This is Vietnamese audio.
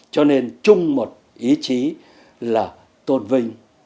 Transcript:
cho nên chung một ý chí là tôn vinh